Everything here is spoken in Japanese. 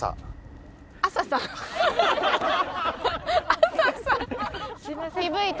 朝さん。